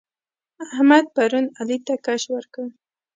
احمد پرون علي ته کش ورکړ.